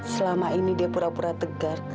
selama ini dia pura pura tegar